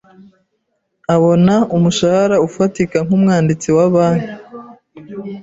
Abona umushahara ufatika nkumwanditsi wa banki.